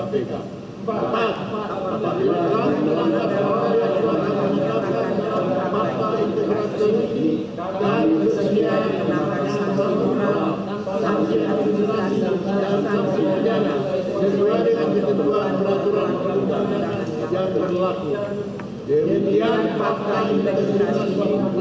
penanda tanganan pak jiwas ma santa entegritas